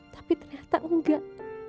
tapi ternyata enggak